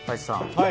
はい。